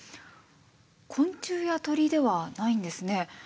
昆虫や鳥ではないんですね。